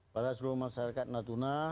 pada seluruh masyarakat natuna